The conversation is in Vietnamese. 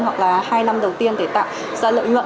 hoặc là hai năm đầu tiên để tạo ra lợi nhuận